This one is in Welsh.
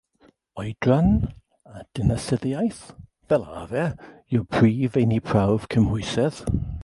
Oedran a dinasyddiaeth, fel arfer, yw'r prif feini prawf cymhwysedd.